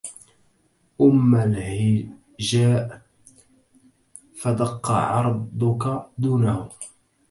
أما الهجاء فدق عرضك دونه